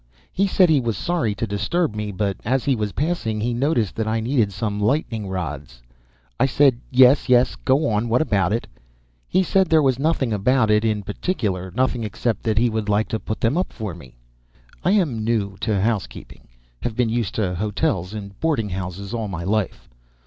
He said he was sorry to disturb me, but as he was passing he noticed that I needed some lightning rods. I said, "Yes, yes go on what about it?" He said there was nothing about it, in particular nothing except that he would like to put them up for me. I am new to housekeeping; have been used to hotels and boarding houses all my life.